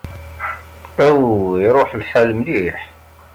Aw, iṛuḥ lḥal mliḥ!